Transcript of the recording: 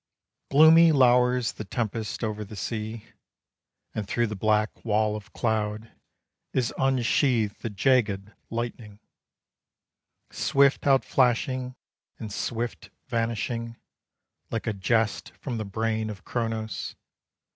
Gloomy lowers the tempest over the sea, And through the black wall of cloud Is unsheathed the jagged lightning, Swift outflashing, and swift vanishing, Like a jest from the brain of Chronos.